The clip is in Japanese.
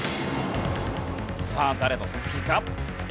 さあ誰の作品か？